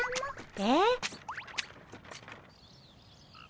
えっ？